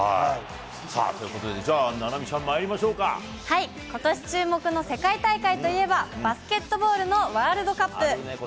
さあ、ということで菜波ちゃことし注目の世界大会といえば、バスケットボールのワールドカップ。